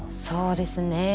そうですね